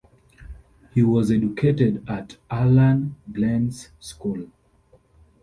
He was educated at Allan Glen's School.